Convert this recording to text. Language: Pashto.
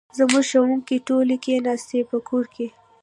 زموږ ښوونکې ټولې کښېناستي په کور کې